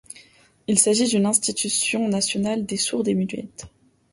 Il s'agit une institution nationale des sourdes et muettes.